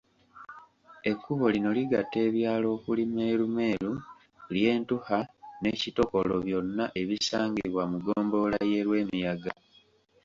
Ekkubo lino ligatta ebyalo okuli Meerumeeru, Lyentuha ne Kitokolo byonna ebisangibwa mu ggombolola y'e Lwemiyaga.